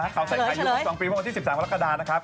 ข่าวใส่ใครยุคสองปีพวกที่๑๓คำลักษณะนะครับ